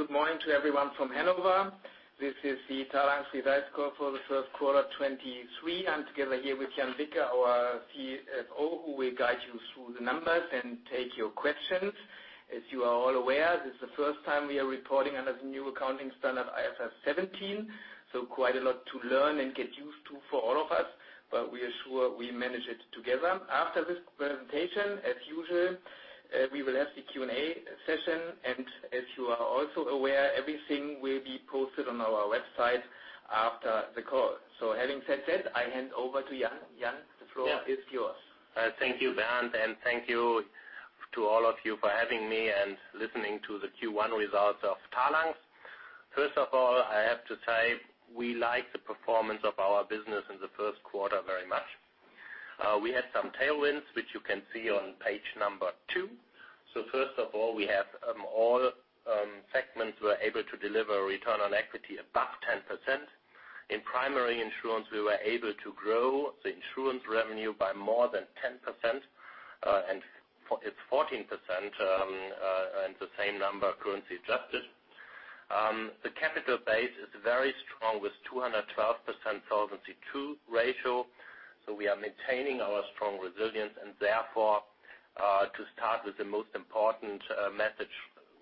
Good morning to everyone from Hanover. This is the Talanx results call for the first quarter 2023. I'm together here with Jan Wicke, our CFO, who will guide you through the numbers and take your questions. As you are all aware, this is the first time we are reporting under the new accounting standard, IFRS 17. Quite a lot to learn and get used to for all of us. We are sure we manage it together. After this presentation, as usual, we will have the Q&A session. As you are also aware, everything will be posted on our website after the call. Having said that, I hand over to Jan. Jan, the floor is yours. Yeah. Thank you, Bernd, and thank you to all of you for having me and listening to the Q1 results of Talanx. First of all, I have to say we like the performance of our business in the first quarter very much. We had some tailwinds, which you can see on page two. First of all, we have all segments were able to deliver return on equity above 10%. In primary insurance, we were able to grow the insurance revenue by more than 10%, it's 14%, and the same number currency adjusted. The capital base is very strong, with 212% Solvency II ratio. We are maintaining our strong resilience, and therefore, to start with the most important message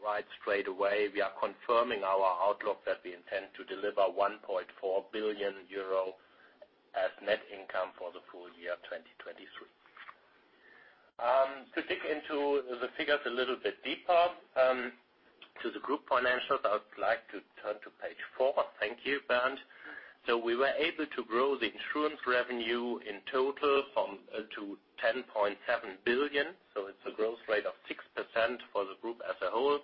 right straight away, we are confirming our outlook that we intend to deliver 1.4 billion euro as net income for the full year 2023. To dig into the figures a little bit deeper, to the group financials, I would like to turn to page four. Thank you, Bernd. We were able to grow the insurance revenue in total to 10.7 billion. It's a growth rate of 6% for the group as a whole.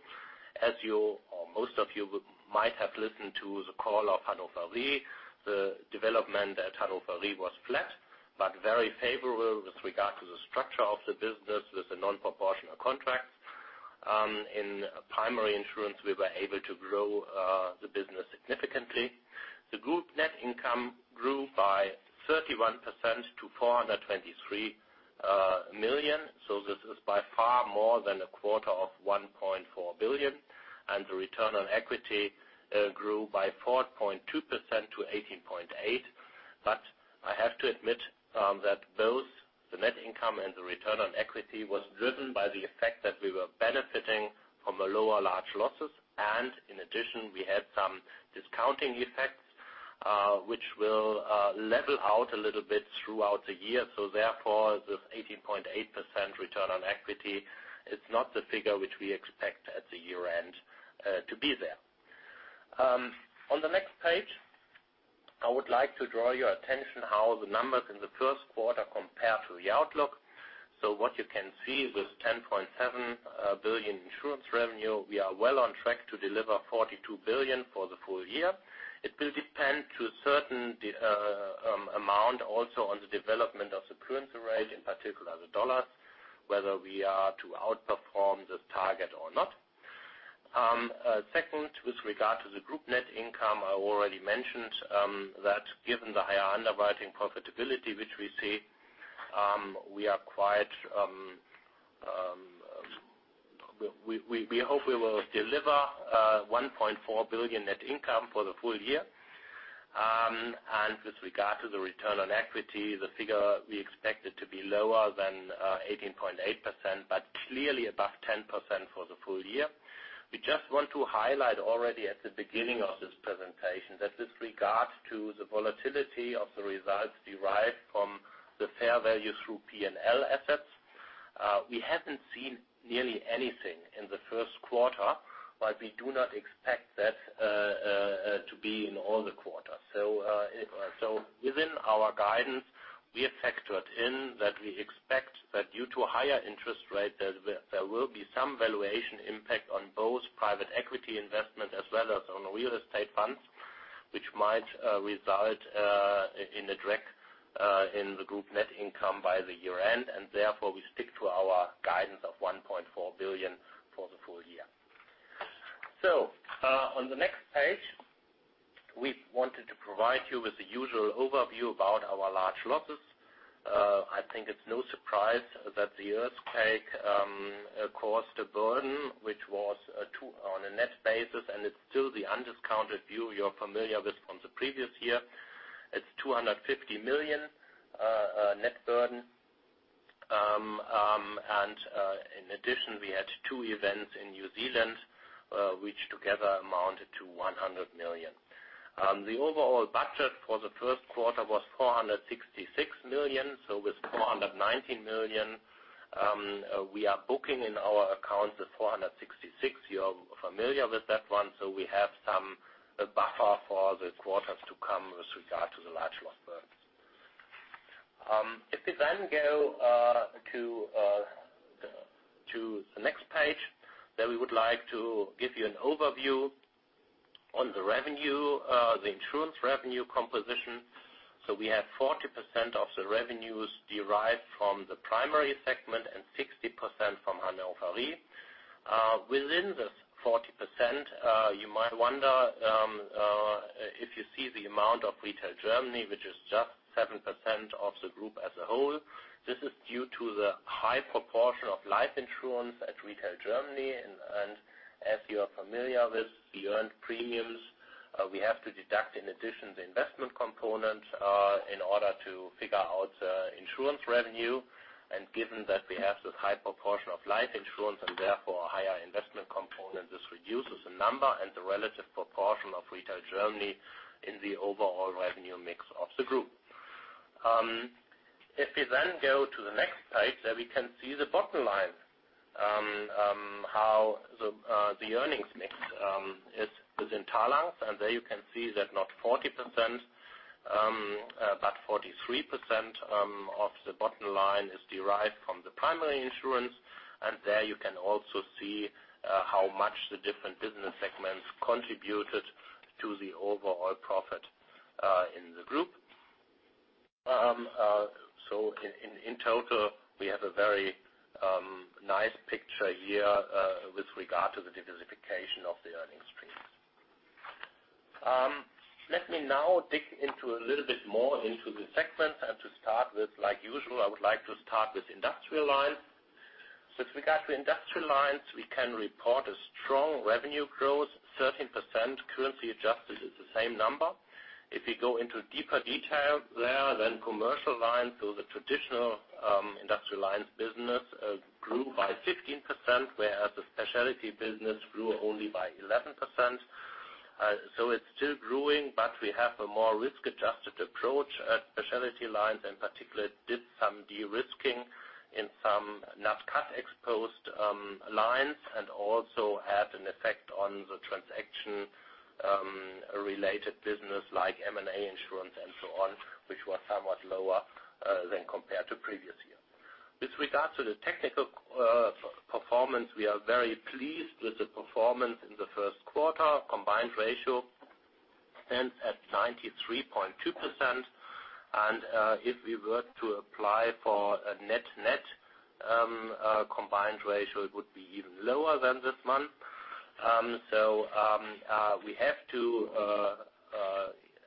As you or most of you might have listened to the call of Hannover Re, the development at Hannover Re was flat, but very favorable with regard to the structure of the business with the non-proportional contracts. In primary insurance, we were able to grow the business significantly. The group net income grew by 31% to 423 million. This is by far more than a quarter of 1.4 billion, and the return on equity grew by 4.2% to 18.8%. I have to admit, that both the net income and the return on equity was driven by the effect that we were benefiting from the lower large losses. In addition, we had some discounting effects, which will level out a little bit throughout the year. Therefore, this 18.8% return on equity is not the figure which we expect at the year-end to be there. On the next page, I would like to draw your attention how the numbers in the first quarter compare to the outlook. What you can see with 10.7 billion insurance revenue, we are well on track to deliver 42 billion for the full year. It will depend to a certain amount also on the development of the currency rate, in particular the dollar, whether we are to outperform this target or not. Second, with regard to the group net income, I already mentioned that given the higher underwriting profitability which we see, we are quite. We hope we will deliver 1.4 billion net income for the full year. With regard to the return on equity, the figure we expect it to be lower than 18.8%, but clearly above 10% for the full year. We just want to highlight already at the beginning of this presentation that this regards to the volatility of the results derived from the fair value through P&L assets. We haven't seen nearly anything in the first quarter, but we do not expect that to be in all the quarters. Within our guidance, we have factored in that we expect that due to higher interest rates, there will be some valuation impact on both private equity investment as well as on real estate funds, which might result in a drag in the group net income by the year-end, and therefore we stick to our guidance of 1.4 billion for the full year. On the next page, we wanted to provide you with the usual overview about our large losses. I think it's no surprise that the earthquake caused a burden which was on a net basis, and it's still the undiscounted view you're familiar with from the previous year. It's 250 million net burden. In addition, we had two events in New Zealand, which together amounted to 100 million. The overall budget for the first quarter was 466 million, so with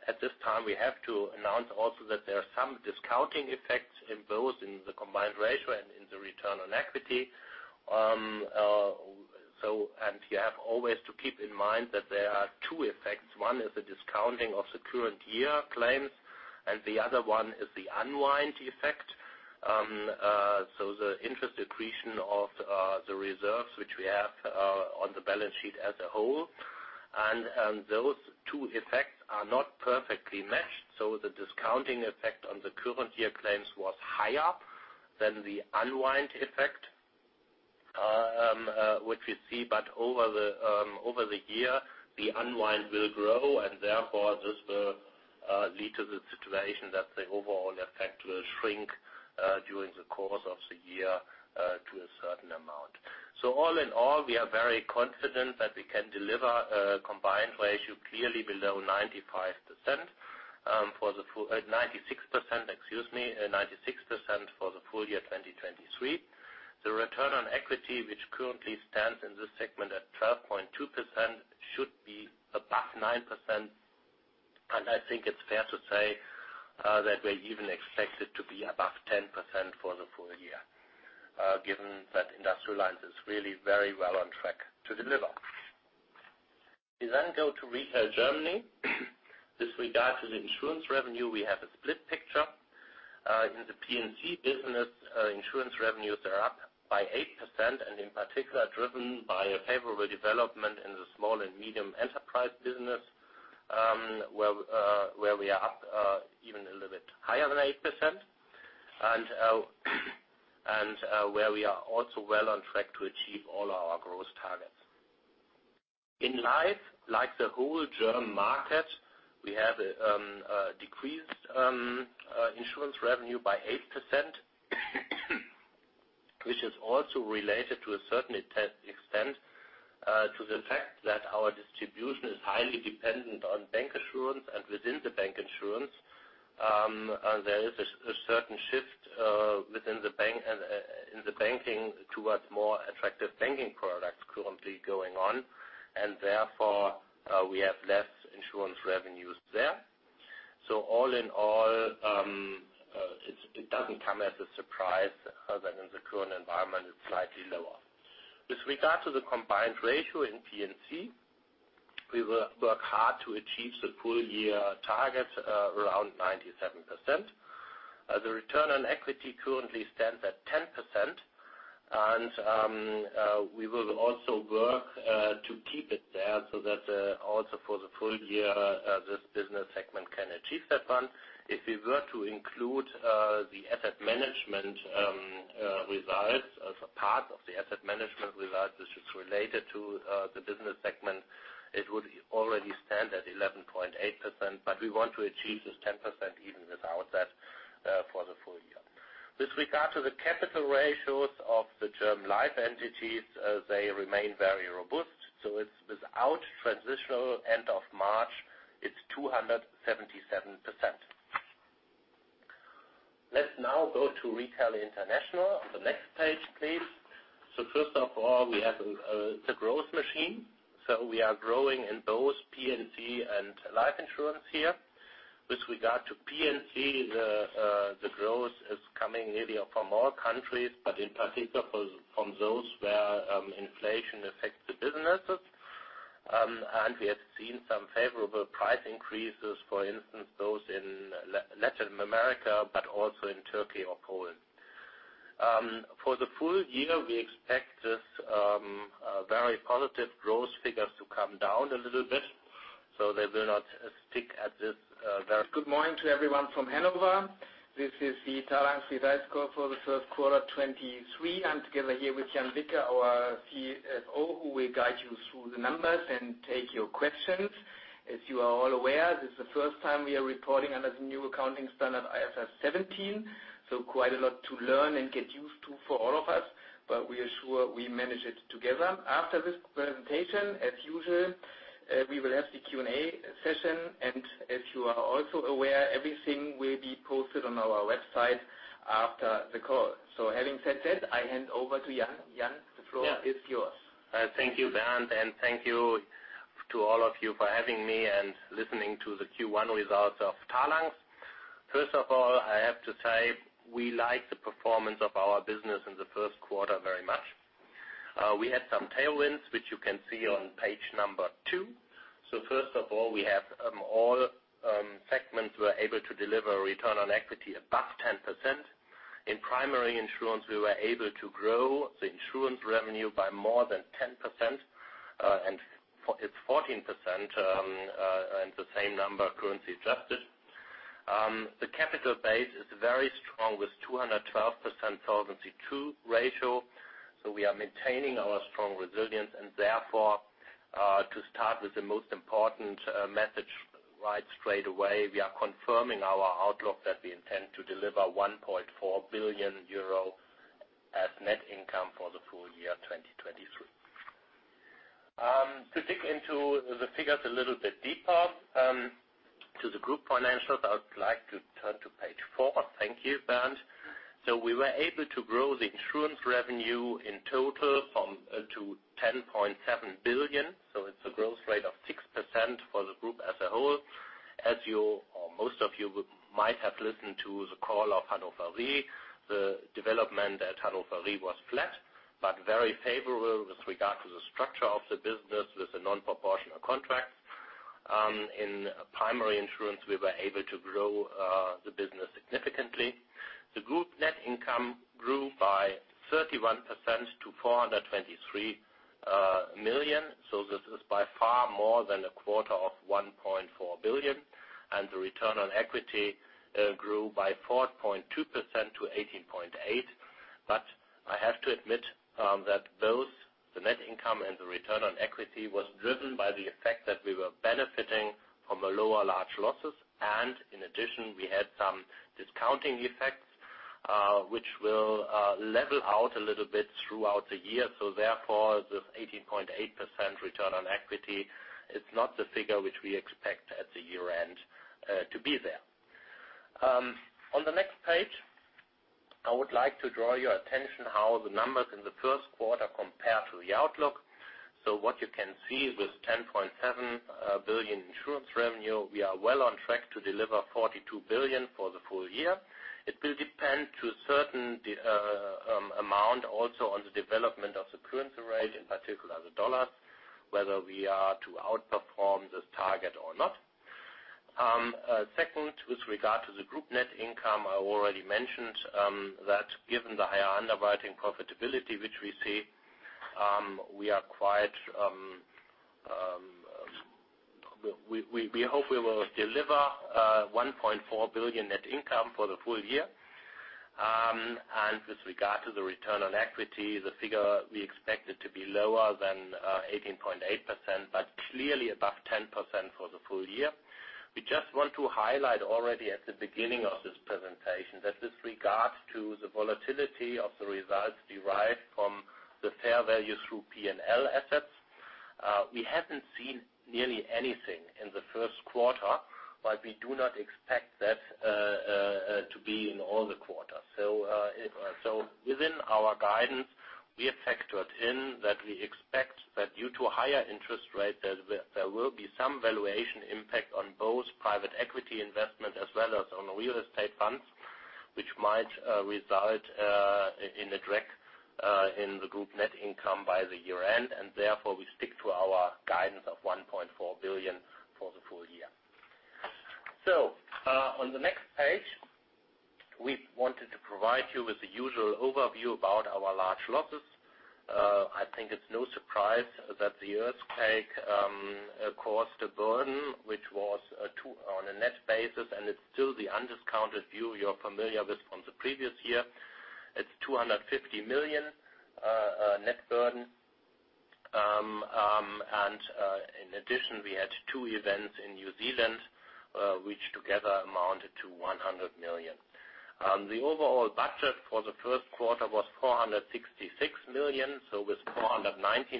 EUR 490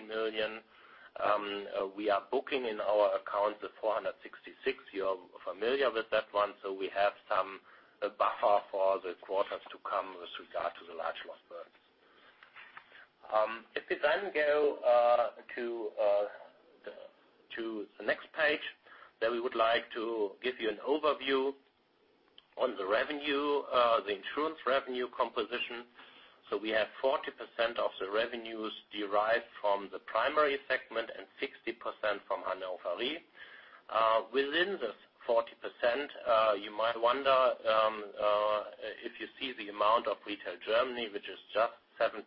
million, we are booking in our account the EUR 466 million. You are familiar with that one, so we have some buffer for the quarters to come with regard to the large loss burdens. If we go to the next page, we would like to give you an overview on the revenue, the insurance revenue composition. We have 40% of the revenues derived from the primary segment and 60% from Hannover Re. Within this 40%, you might wonder, if you see the amount of Retail Germany, which is just 7%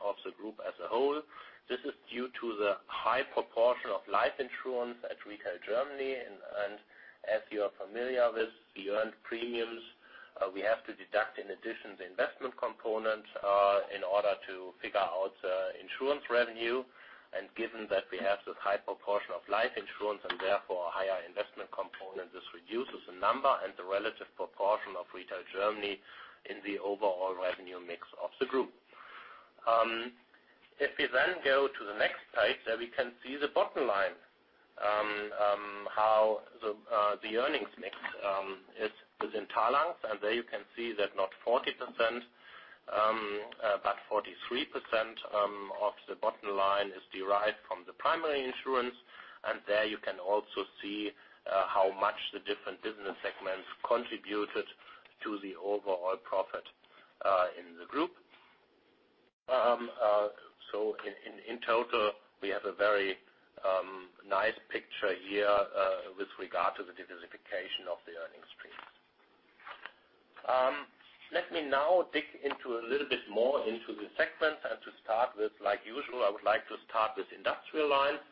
of the group as a whole. This is due to the high proportion of life insurance at Retail Germany. As you are familiar with the earned premiums, we have to deduct in addition the investment component in order to figure out insurance revenue. Given that we have this high proportion of life insurance and therefore a higher investment component, this reduces the number and the relative proportion of Retail Germany in the overall revenue mix of the group. If we go to the next page, there we can see the bottom line. How the earnings mix is within Talanx, and there you can see that not 40%, but 43% of the bottom line is derived from the primary insurance. There you can also see how much the different business segments contributed to the overall profit in the group. In total, we have a very nice picture here with regard to the diversification of the earnings streams. Let me now dig into a little bit more into the segments. To start with, like usual, I would like to start with Industrial Lines.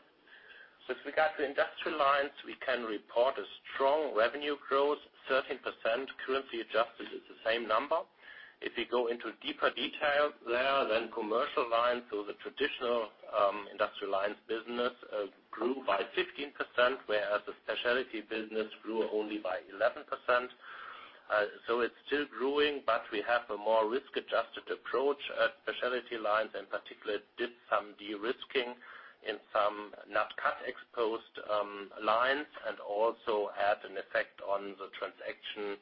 With regard to Industrial Lines, we can report a strong revenue growth, 13% currency adjusted is the same number. You go into deeper detail there, Commercial Lines, so the traditional, Industrial Lines business, grew by 15%, whereas the Specialty Lines business grew only by 11%. It's still growing, but we have a more risk-adjusted approach at Specialty Lines, in particular, did some de-risking in some Nat Cat exposed lines, and also had an effect on the transaction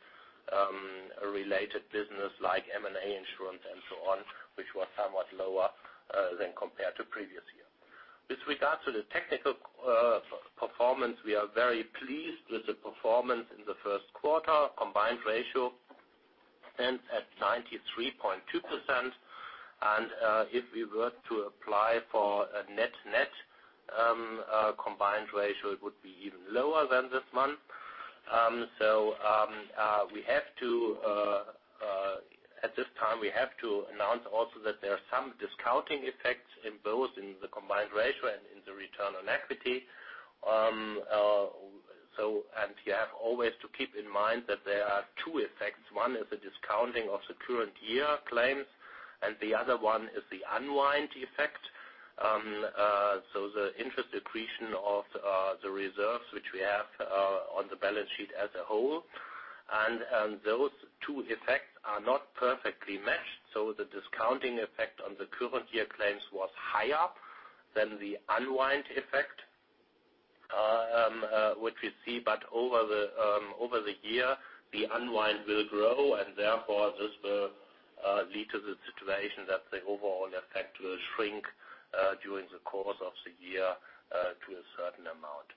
related business like M&A insurance and so on, which was somewhat lower than compared to previous year. With regard to the technical performance, we are very pleased with the performance in the first quarter. Combined ratio stands at 93.2%. If we were to apply for a net-net combined ratio, it would be even lower than this month. We have to, at this time, we have to announce also that there are some discounting effects in both in the combined ratio and in the return on equity. You have always to keep in mind that there are two effects. One is the discounting of the current year claims, and the other one is the unwind effect. The interest accretion of the reserves which we have on the balance sheet as a whole. Those two effects are not perfectly matched, so the discounting effect on the current year claims was higher than the unwind effect which we see. Over the year, the unwind will grow, and therefore, this will lead to the situation that the overall effect will shrink during the course of the year to a certain amount.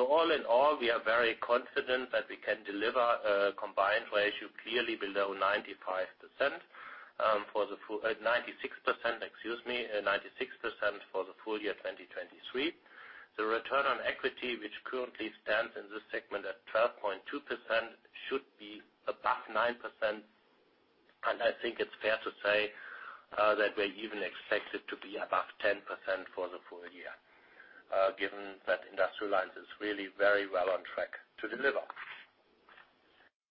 All in all, we are very confident that we can deliver a combined ratio clearly below 95%, for the full 96%, excuse me, 96% for the full year 2023. The return on equity, which currently stands in this segment at 12.2%, should be above 9%. I think it's fair to say that we even expect it to be above 10% for the full year, given that Industrial Lines is really very well on track to deliver.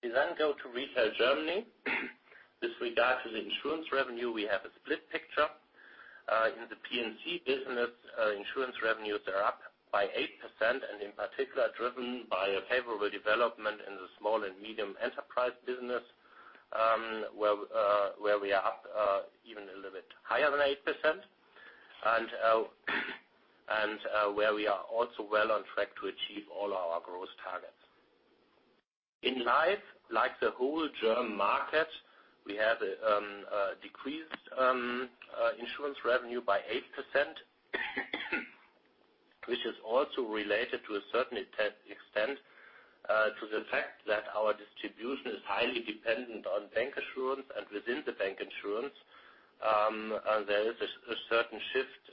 We go to Retail Germany. With regard to the insurance revenue, we have a split picture. In the P&C business, insurance revenues are up by 8%, in particular, driven by a favorable development in the small and medium enterprise business, where we are up even a little bit higher than 8% and where we are also well on track to achieve all our growth targets. In Life, like the whole German market, we have decreased insurance revenue by 8%, which is also related to a certain extent to the fact that our distribution is highly dependent on bank insurance. Within the bank insurance, there is a certain shift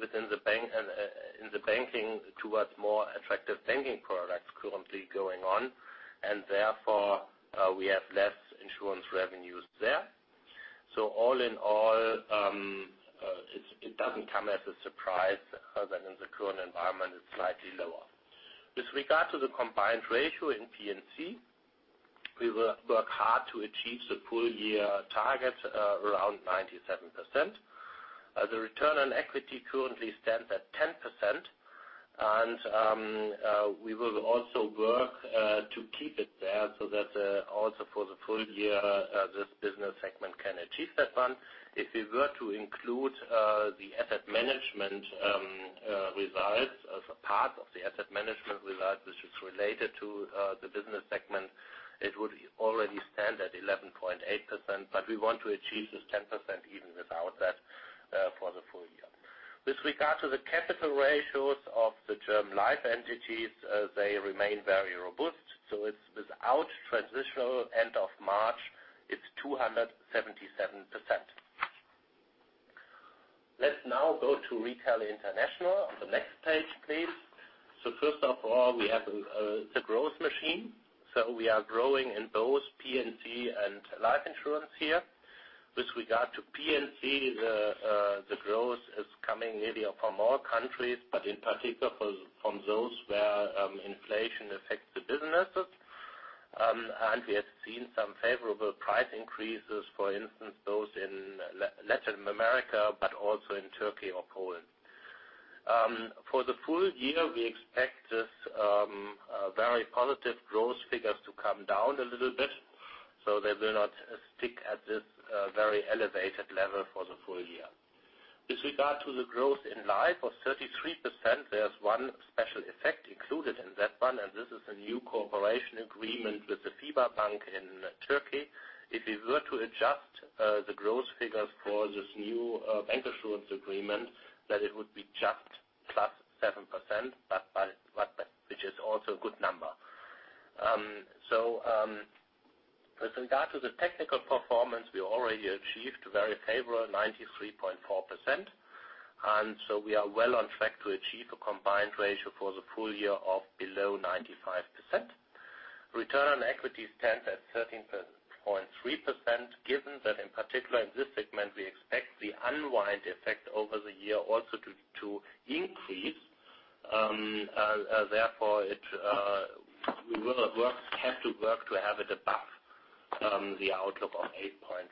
within the bank and in the banking towards more attractive banking products currently going on, therefore, we have less insurance revenues there. All in all, it doesn't come as a surprise that in the current environment it's slightly lower. With regard to the combined ratio in P&C, we will work hard to achieve the full year target, around 97%. The return on equity currently stands at 10%. We will also work to keep it there so that also for the full year, this business segment can achieve that one. If we were to include the asset management results as a part of the asset management result, which is related to the business segment, it would already stand at 11.8%, but we want to achieve this 10% even without that for the full year. With regard to the capital ratios of the term life entities, they remain very robust. It's without transitional end of March, it's 277%. Let's now go to Retail International on the next page, please. First of all, we have the growth machine. We are growing in both P&C and life insurance here. With regard to P&C, the growth is coming really from all countries, but in particular from those where inflation affects the businesses. We have seen some favorable price increases, for instance, those in Latin America, but also in Turkey or Poland. For the full year, we expect this very positive growth figures to come down a little bit, so they will not stick at this very elevated level for the full year. With regard to the growth in life of 33%, there's one special effect included in that one. This is a new cooperation agreement with the Fibabanka in Turkey. If we were to adjust the growth figures for this new bank insurance agreement, it would be just flat 7%, which is also a good number. With regard to the technical performance, we already achieved a very favorable 93.4%. We are well on track to achieve a combined ratio for the full year of below 95%. Return on equity stands at 13.3%, given that in particular in this segment, we expect the unwind effect over the year also to increase. Therefore, we have to work to have it above the outlook of 8.5%.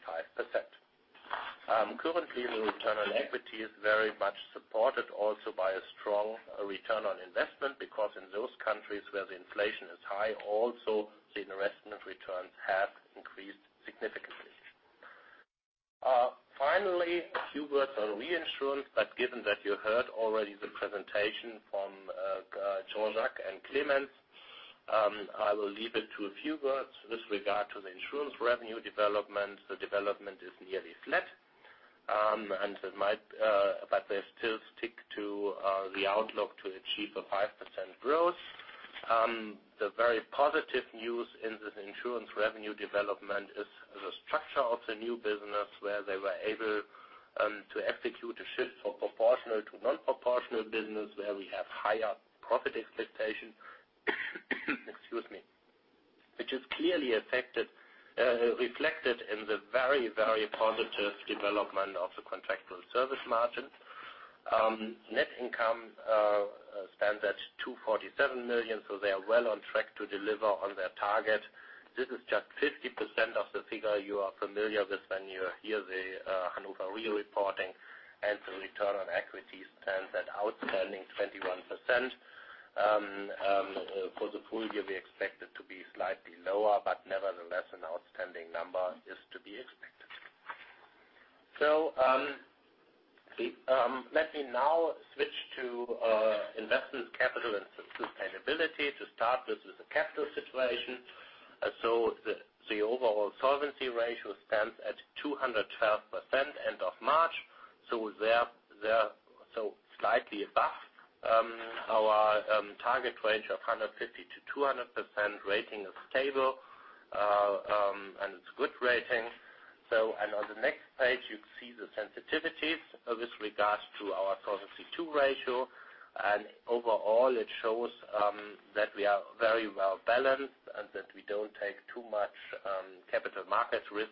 Currently, the return on equity is very much supported also by a strong return on investment, because in those countries where the inflation is high, also the investment returns have increased significantly. Finally, a few words on reinsurance, but given that you heard already the presentation from Jean-Jacques and Clemens, I will leave it to a few words. With regard to the insurance revenue development, the development is nearly flat, but they still stick to the outlook to achieve a 5% growth. The very positive news in this insurance revenue development is the structure of the new business, where they were able to execute a shift from proportional to non-proportional business, where we have higher profit expectations. Excuse me. Which is clearly affected, reflected in the very, very positive development of the contractual service margins. Net income stands at 247 million, so they are well on track to deliver on their target. This is just 50% of the figure you are familiar with when you hear the Hannover Re reporting, and the return on equity stands at outstanding 21%. For the full year, we expect it to be slightly lower, but nevertheless, an outstanding number is to be expected. Let me now switch to investors capital and sustainability. To start with the capital situation. The overall solvency ratio stands at 212% end of March. Slightly above our target range of 150%-200%. Rating is stable, and it's good rating. On the next page, you see the sensitivities with regards to our Solvency II ratio. Overall, it shows that we are very well balanced and that we don't take too much capital market risks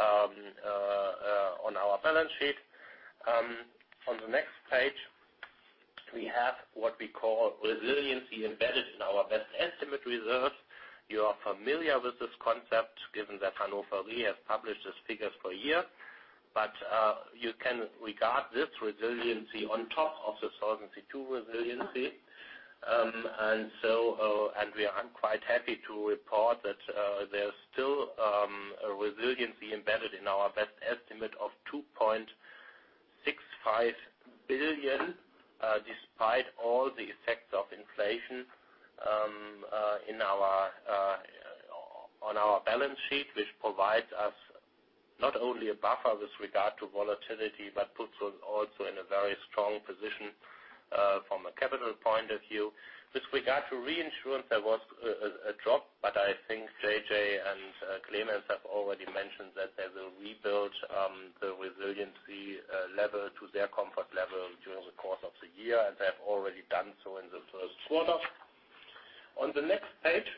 on our balance sheet. On the next page, we have what we call resiliency embedded in our best estimate reserve. You are familiar with this concept given that Hannover Re has published these figures for a year. You can regard this resiliency on top of the Solvency II resiliency. I'm quite happy to report that there's still a resiliency embedded in our best estimate of 2.65 billion despite all the effects of inflation in our on our balance sheet, which provides us not only a buffer with regard to volatility, but puts us also in a very strong position from a capital point of view. With regard to reinsurance, there was a drop. I think JJ and Clemens have already mentioned that they will rebuild the resiliency level to their comfort level during the course of the year, and they have already done so in the first quarter. On the next page,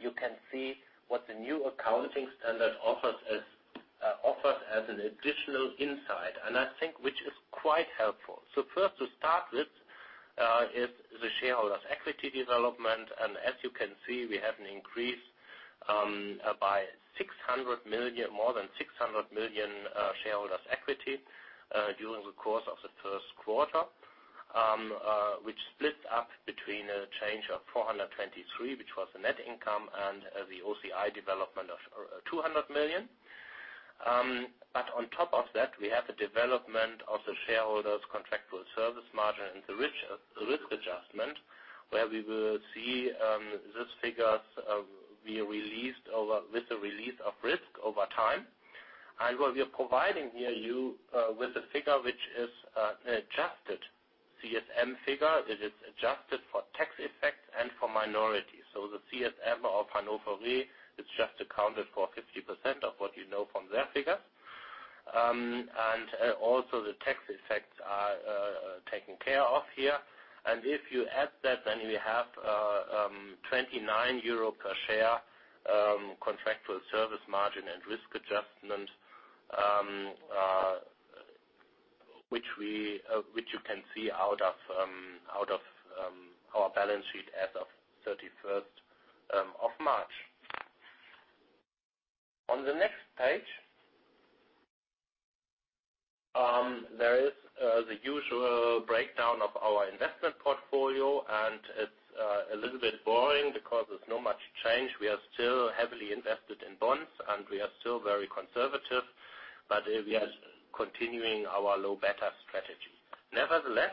you can see what the new accounting standard offers as an additional insight. I think which is quite helpful. First to start with is the shareholders' equity development. As you can see, we have an increase by more than 600 million shareholders' equity during the course of the first quarter, which splits up between a change of 423, which was the net income, and the OCI development of 200 million. On top of that, we have the development of the shareholders contractual service margin and the risk adjustment, where we will see those figures be released with the release of risk over time. What we are providing here you with a figure which is adjusted, CSM figure. It is adjusted for tax effects and for minority. The CSM of Hannover Re is just accounted for 50% of what you know from their figures. Also the tax effects are taken care of here. If you add that, then we have 29 euro per share contractual service margin and risk adjustment, which you can see out of our balance sheet as of 31st of March. On the next page, there is the usual breakdown of our investment portfolio, and it's a little bit boring because there's not much change. We are still heavily invested in bonds, and we are still very conservative, but we are continuing our low beta strategy. Nevertheless,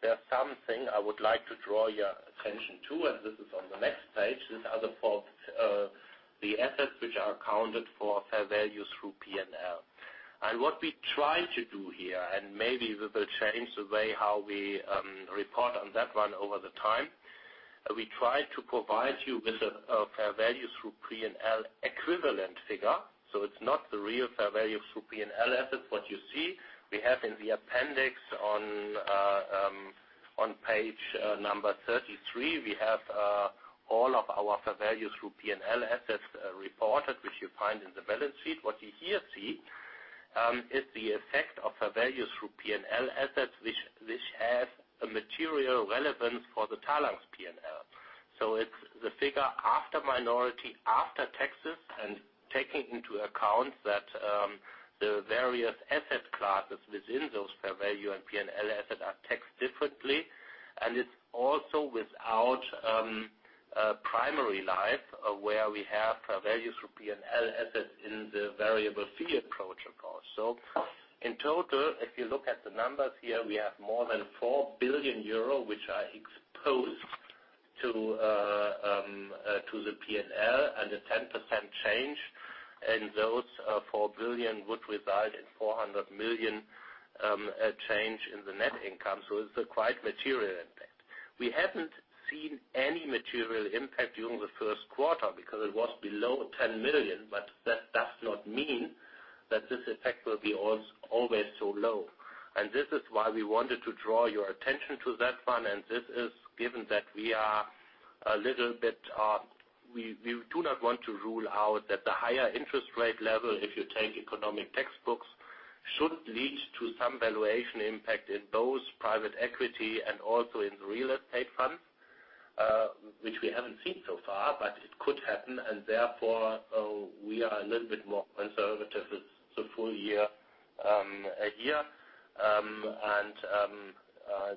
there's something I would like to draw your attention to, and this is on the next page. These are the folks, the assets which are accounted for fair value through P&L. What we try to do here, and maybe we will change the way how we report on that one over the time. We try to provide you with a fair value through P&L equivalent figure, so it's not the real fair value through P&L assets what you see. We have in the appendix on page number 33, we have all of our fair value through P&L assets reported, which you find in the balance sheet. What you here see is the effect of fair value through P&L assets which have a material relevance for the Talanx's P&L. It's the figure after minority, after taxes, and taking into account that the various asset classes within those fair value and P&L asset are taxed differently. It's also without primary life, where we have fair value through P&L assets in the variable fee approach, of course. In total, if you look at the numbers here, we have more than 4 billion euro, which are exposed to the P&L and a 10% change. Those, 4 billion would result in 400 million change in the net income. It's quite material impact. We haven't seen any material impact during the first quarter because it was below 10 million, but that does not mean that this effect will be always so low. This is why we wanted to draw your attention to that one, and this is given that we are a little bit. We do not want to rule out that the higher interest rate level, if you take economic textbooks, should lead to some valuation impact in both private equity and also in real estate funds, which we haven't seen so far, but it could happen. Therefore, we are a little bit more conservative with the full year, a year. And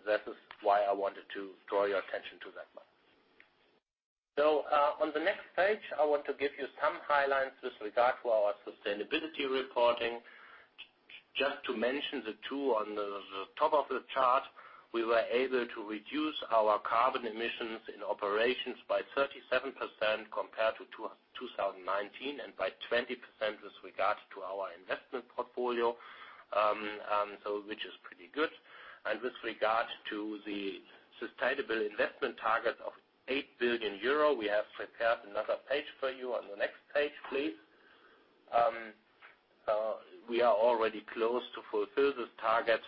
that is why I wanted to draw your attention to that one. On the next page, I want to give you some highlights with regard to our sustainability reporting. Just to mention the two on the top of the chart. We were able to reduce our carbon emissions in operations by 37% compared to 2019, and by 20% with regards to our investment portfolio, which is pretty good. With regard to the sustainable investment target of 8 billion euro, we have prepared another page for you on the next page, please. We are already close to fulfill this target.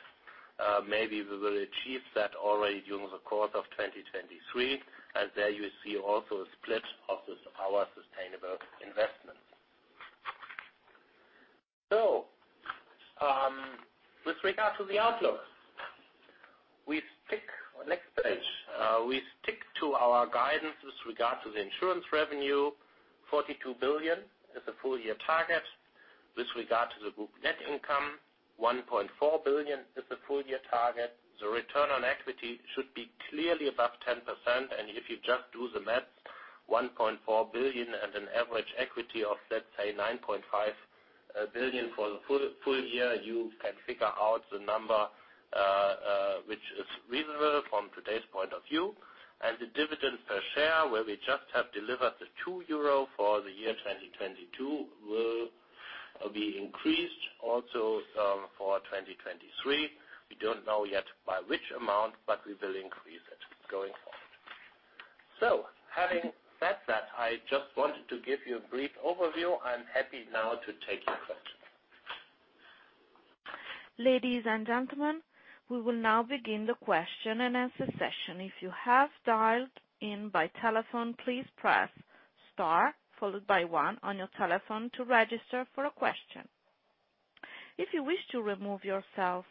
Maybe we will achieve that already during the course of 2023. There you see also a split of our sustainable investment. With regard to the outlook, we stick. Next page. We stick to our guidance with regard to the insurance revenue, 42 billion is the full year target. With regard to the group net income, 1.4 billion is the full year target. The return on equity should be clearly above 10%. If you just do the math, 1.4 billion at an average equity of, let's say, 9.5 billion for the full year, you can figure out the number which is reasonable from today's point of view. The dividend per share, where we just have delivered the 2 euro for the year 2022, will be increased also for 2023. We don't know yet by which amount, but we will increase it going forward. Having said that, I just wanted to give you a brief overview. I'm happy now to take your questions. Ladies and gentlemen, we will now begin the question-and-answer session. If you have dialed in by telephone, please press star followed by one on your telephone to register for a question. If you wish to remove yourself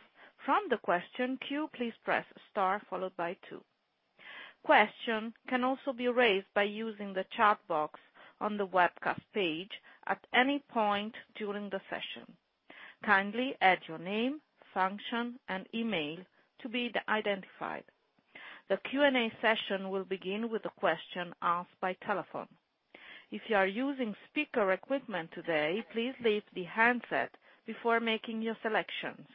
from the question queue, please press star followed by two. Question can also be raised by using the chat box on the webcast page at any point during the session. Kindly add your name, function, and email to be identified. The Q&A session will begin with a question asked by telephone. If you are using speaker equipment today, please leave the handset before making your selections.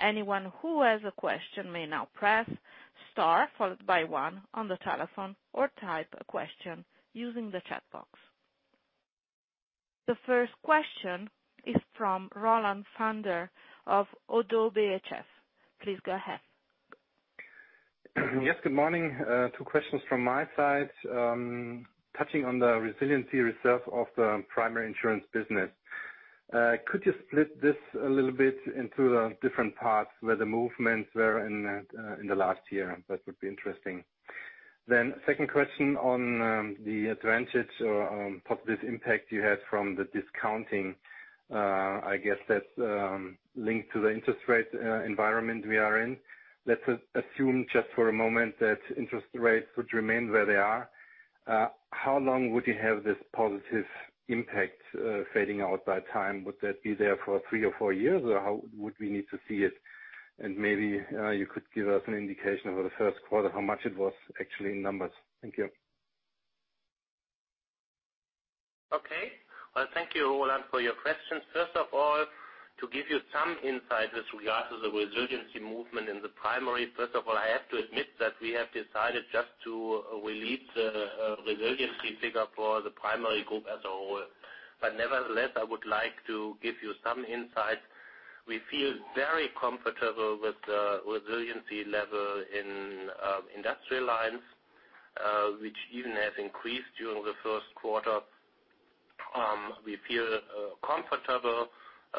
Anyone who has a question may now press star followed by one on the telephone or type a question using the chat box. The first question is from Roland Pfänder of ODDO BHF. Please go ahead. Yes, good morning. Two questions from my side. Touching on the resiliency reserve of the primary insurance business. Could you split this a little bit into the different parts where the movements were in the last year? That would be interesting. Second question on the advantage or positive impact you had from the discounting. I guess that's linked to the interest rate environment we are in. Let's assume just for a moment that interest rates would remain where they are. How long would you have this positive impact fading out by time? Would that be there for three or four years, or how would we need to see it? Maybe you could give us an indication over the first quarter, how much it was actually in numbers. Thank you. Okay. Well, thank you, Roland, for your questions. First of all, to give you some insight with regard to the resiliency movement in the primary. First of all, I have to admit that we have decided just to release the resiliency figure for the primary group as a whole. Nevertheless, I would like to give you some insight. We feel very comfortable with the resiliency level in Industrial Lines, which even has increased during the first quarter. We feel comfortable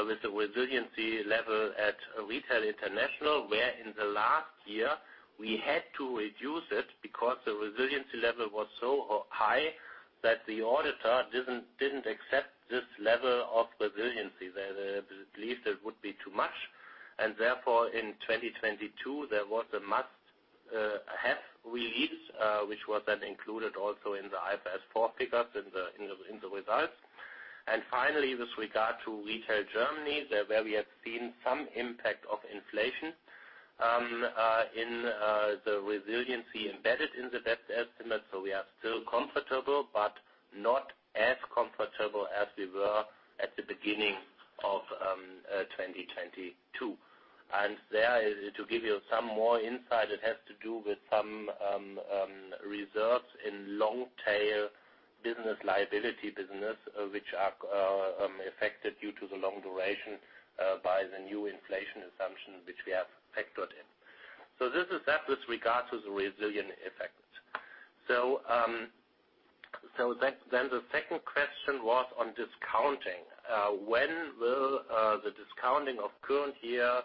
with the resiliency level at Retail International, where in the last year we had to reduce it because the resiliency level was so high that the auditor didn't accept this level of resiliency. They believed it would be too much. In 2022, there was a must-have release, which was then included also in the IFRS 4 pickups in the results. With regard to Retail Germany, there where we have seen some impact of inflation in the resiliency embedded in the best estimate. We are still comfortable, but not as comfortable as we were at the beginning of 2022. To give you some more insight, it has to do with some reserves in long tail business, liability business, which are affected due to the long duration by the new inflation assumption, which we have factored in. This is that with regard to the resilient effect. The second question was on discounting. When will the discounting of current year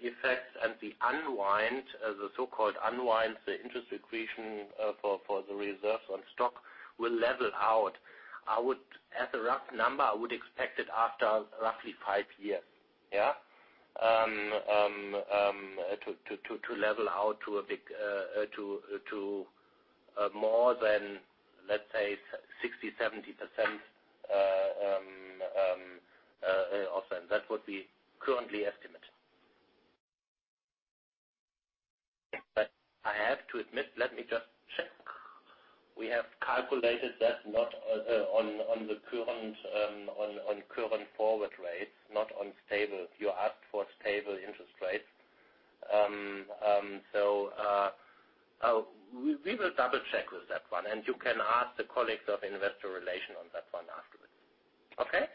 effects and the unwind, the so-called unwind, the interest accretion, for the reserve on stock will level out. I would, as a rough number, I would expect it after roughly five years to level out to more than, let's say 60%, 70% of them. That would be currently estimated. I have to admit, let me just check. We have calculated that not on the current, on current forward rates, not on stable. You asked for stable interest rates. We will double-check with that one, and you can ask the colleagues of Investor Relations on that one afterwards. Okay.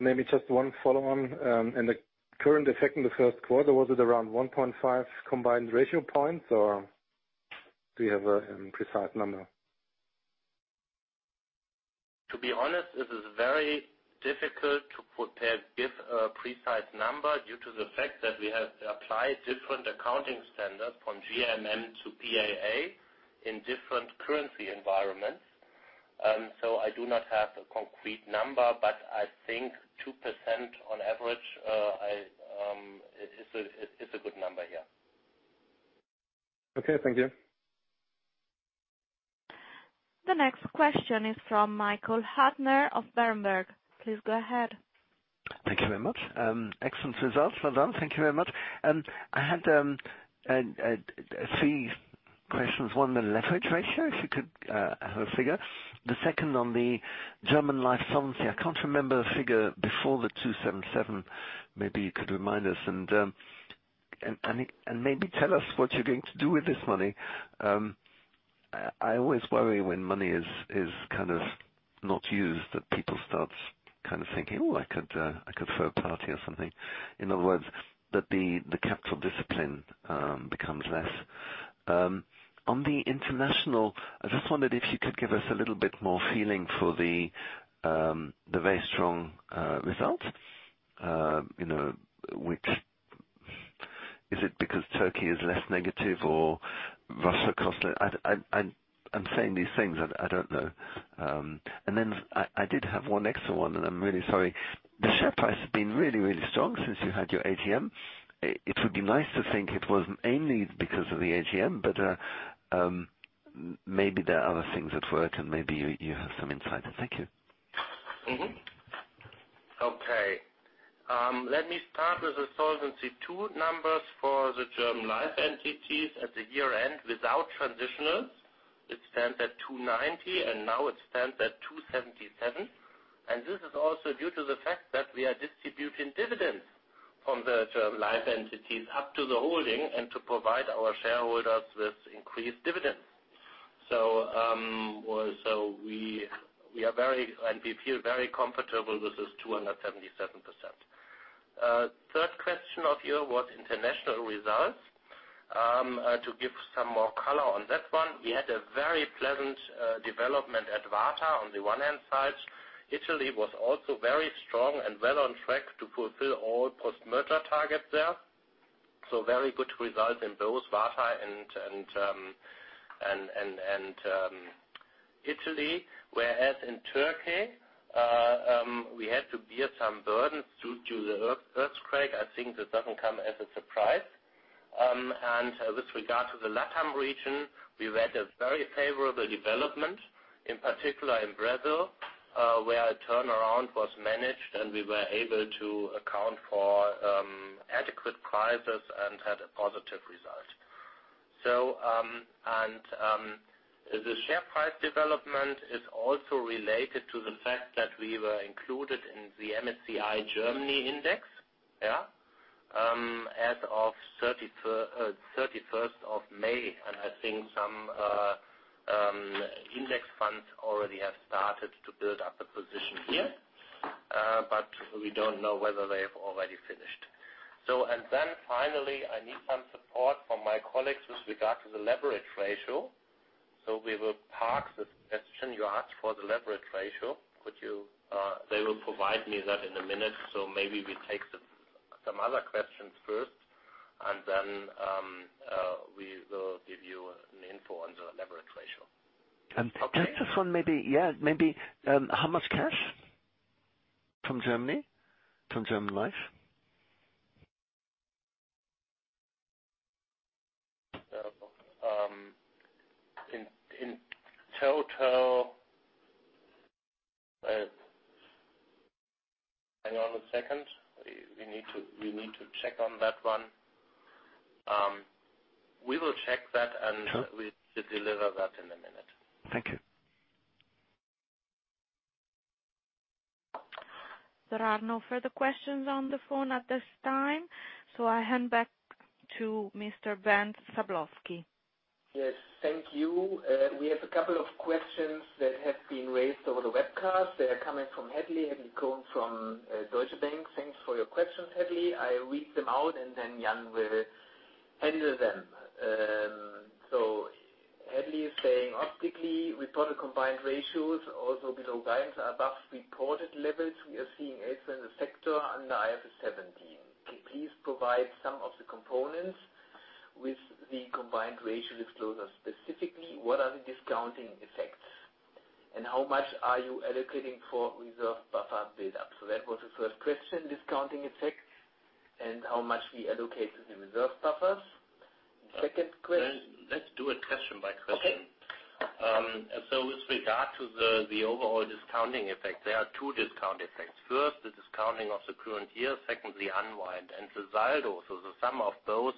Maybe just one follow-on. The current effect in the first quarter, was it around 1.5 combined ratio points, or do you have a precise number? To be honest, it is very difficult to prepare, give a precise number due to the fact that we have applied different accounting standards from GMM to PAA in different currency environments. I do not have a concrete number, but I think 2% on average, I is a good number here. Okay. Thank you. The next question is from Michael Huttner of Berenberg. Please go ahead. Thank you very much. Excellent results. Well done. Thank you very much. I had three questions. One, the leverage ratio, if you could have a figure. The second on the German Life solvency. I can't remember a figure before the 277. Maybe you could remind us and maybe tell us what you're going to do with this money. I always worry when money is kind of not used, that people start kind of thinking, "Oh, I could throw a party or something." In other words, that the capital discipline becomes less. On the international, I just wondered if you could give us a little bit more feeling for the very strong results, you know, which Turkey is less negative, or Russia. I'm saying these things, I don't know. I did have one extra one, and I'm really sorry. The share price has been really, really strong since you had your AGM. It would be nice to think it wasn't only because of the AGM, but maybe there are other things at work, and maybe you have some insight. Thank you. Okay. Let me start with the Solvency II numbers for the German Life entities at the year-end. Without transitionals, it stands at 290, now it stands at 277. This is also due to the fact that we are distributing dividends from the German Life entities up to the holding and to provide our shareholders with increased dividends. We feel very comfortable with this 277%. Third question of you was international results. To give some more color on that one, we had a very pleasant development at WARTA on the one hand side. Italy was also very strong and well on track to fulfill all post-merger targets there, very good results in both WARTA and Italy. Whereas in Turkey, we had to bear some burdens due to the earthquake. I think this doesn't come as a surprise. With regard to the LatAm region, we've had a very favorable development, in particular in Brazil, where a turnaround was managed, and we were able to account for adequate prices and had a positive result. The share price development is also related to the fact that we were included in the MSCI Germany Index as of May 31st. I think some index funds already have started to build up a position here, but we don't know whether they have already finished. Finally, I need some support from my colleagues with regard to the leverage ratio. We will park the question you asked for the leverage ratio. Could you. They will provide me that in a minute, so maybe we take some other questions first, and then, we will give you an info on the leverage ratio. Um- Okay. Can I ask this one maybe, yeah, maybe, how much cash from Germany, from German Life? Hang on a second. We need to check on that one. We will check that. Sure. We deliver that in a minute. Thank you. There are no further questions on the phone at this time, so I hand back to Mr. Bernd Sablowsky. Yes. Thank you. We have a couple of questions that have been raised over the webcast. They are coming from Hadley Cohen from Deutsche Bank. Thanks for your questions, Hadley. I read them out, and then Jan will handle them. Hadley is saying, optically, we've got a combined ratios, also below guidance, above reported levels. We are seeing it in the sector under IFRS 17. Can you please provide some of the components with the combined ratio disclosure? Specifically, what are the discounting effects, and how much are you allocating for reserve buffer build-up? That was the first question, discounting effect and how much we allocate to the reserve buffers. Second question- Let's do it question by question. Okay. With regard to the overall discounting effect, there are two discount effects: first, the discounting of the current year; second, the unwind, the saldo, so the sum of those